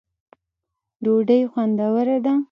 ډوډۍ خوندوره ده